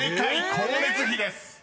「光熱費」です］